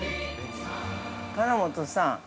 ◆金本さん。